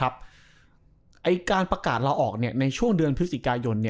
การประกาศลาออกในช่วงเดือนพฤศจิกายน